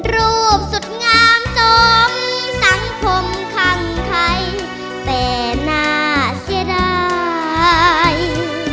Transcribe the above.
รูปสุดงามสมสังคมคังไข่แต่น่าเสียดาย